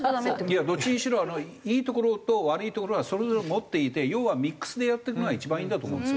いやどっちにしろいいところと悪いところはそれぞれ持っていて要はミックスでやっていくのが一番いいんだと思うんです。